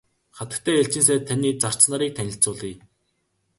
Хатагтай элчин сайд таны зарц нарыг танилцуулъя.